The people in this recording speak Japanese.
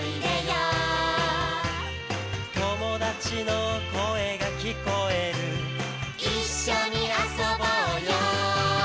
「友達の声が聞こえる」「一緒に遊ぼうよ」